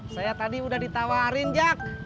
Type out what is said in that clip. saya tadi udah ditawarin jak